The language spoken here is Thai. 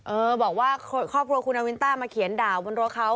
เออบอกว่าครอบครัวคุณนาวินต้ามาเขียนด่าบนรถเขา